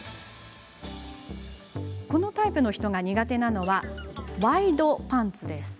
このタイプの人が苦手なのはワイドパンツです。